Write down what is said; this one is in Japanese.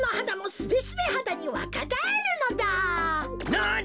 なに！？